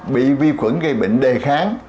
bị vi khuẩn gây bệnh đề kháng